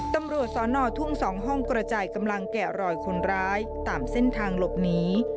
ตำรวจสอนอทุ่ง๒ห้องกระจายกำลังแกะรอยคนร้ายตามเส้นทางหลบหนี